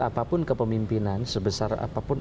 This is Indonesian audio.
apapun kepemimpinan sebesar apapun